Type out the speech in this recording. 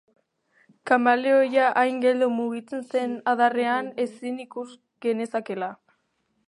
Kameleoia hain geldo mugitzen zen adarrean ezin ikus genezakeela.